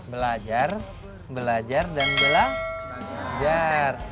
belajar belajar dan belajar